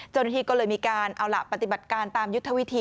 เจ้าหน้าที่ก็เลยมีการเอาล่ะปฏิบัติการตามยุทธวิธี